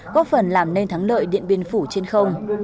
góp phần làm nên thắng lợi điện biên phủ trên không